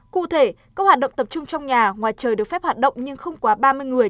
cụ thể các hoạt động tập trung trong nhà ngoài trời được phép hoạt động nhưng không quá ba mươi người